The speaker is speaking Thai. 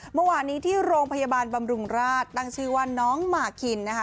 เมื่อวานนี้ที่โรงพยาบาลบำรุงราชตั้งชื่อว่าน้องหมากคินนะคะ